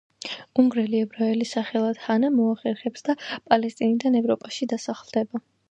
უნგრელი ებრაელი სახელად ჰანა, მოახერხებს და პალესტინიდან ევროპაში დასახლდება.